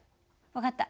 分かった。